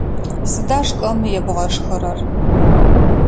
Сыда шкӏэм ебгъэшхырэр?